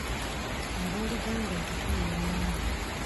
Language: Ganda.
Abooluganda okutuula awamu.